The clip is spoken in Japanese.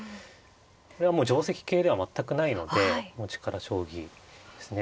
これはもう定跡形では全くないので力将棋ですね。